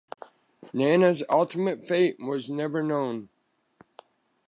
Nana's ultimate fate was never known.